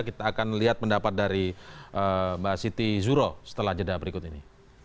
kita akan lihat pendapat dari mbak siti zuro setelah jeda berikut ini